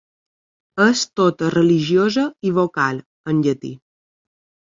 És tota religiosa i vocal, en llatí.